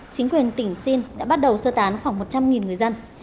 chính quyền tỉnh xin đã bắt đầu sơ tán khoảng một trăm linh người dân